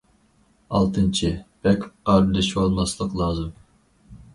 ئالتىنچى، بەك ئارىلىشىۋالماسلىق لازىم.